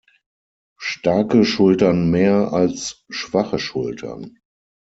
Starke Schultern mehr als schwache Schultern.